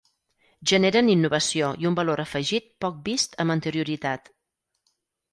Generen innovació i un valor afegit poc vist amb anterioritat.